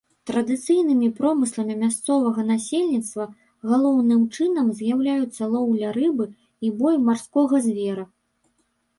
Традыцыйнымі промысламі мясцовага насельніцтва галоўным чынам з'яўляюцца лоўля рыбы і бой марскога звера.